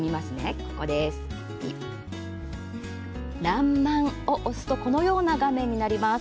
「らんまん」を押すとこのような画面になります。